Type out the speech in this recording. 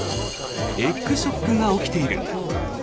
エッグショックが起きている。